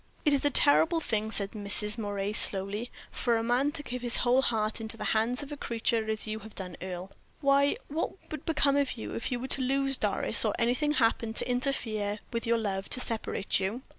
"It is a terrible thing," said Mrs. Moray, slowly, "for a man to give his whole heart into the hands of a creature as you have done, Earle. Why, what would become of you if you were to lose Doris, or anything happen to interfere with your love to separate you?"